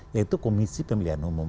yaitu komisi pemilihan umum